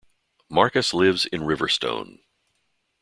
Markus lives in Riverstone.